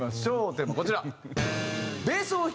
テーマこちら。